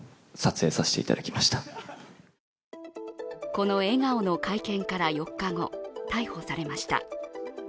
この笑顔の会見から４日後、逮捕されました。